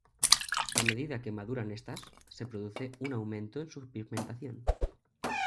A medida que maduran estas se produce un aumento en su pigmentación.